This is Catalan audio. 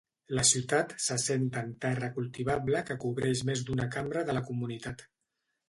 La ciutat s'assenta en terra cultivable que cobreix més d'una cambra de la comunitat.